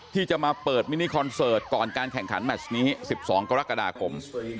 ที่จะมาเปิดมินิคอนเสิร์ตก่อนการแข่งขันแมชนี้๑๒กรกฎาคม